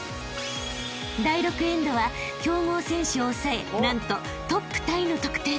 ［第６エンドは強豪選手を抑え何とトップタイの得点］